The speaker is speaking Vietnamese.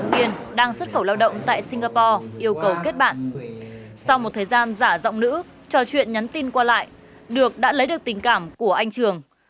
và giọng nữ trò chuyện nhắn tin qua lại được đã lấy được tình cảm của anh trường